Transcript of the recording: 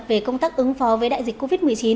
về công tác ứng phó với đại dịch covid một mươi chín